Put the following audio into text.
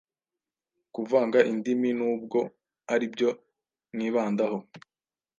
kuvanga indimi n’ubwo aribyo mwibandaho